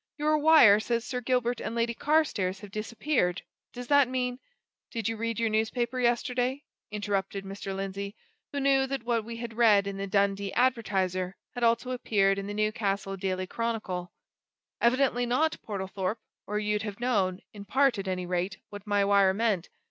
"Your wire says Sir Gilbert and Lady Carstairs have disappeared. Does that mean " "Did you read your newspaper yesterday?" interrupted Mr. Lindsey, who knew that what we had read in the Dundee Advertiser had also appeared in the Newcastle Daily Chronicle. "Evidently not, Portlethorpe, or you'd have known, in part at any rate, what my wire meant.